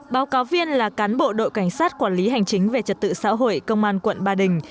báo cáo viên là cán bộ đội cảnh sát quản lý hành chính về trật tự xã hội công an quận ba đình